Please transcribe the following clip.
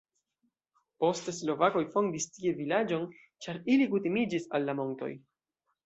Poste slovakoj fondis tie vilaĝon, ĉar ili kutimiĝis al la montoj.